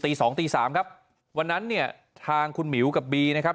สองตีสามครับวันนั้นเนี่ยทางคุณหมิวกับบีนะครับ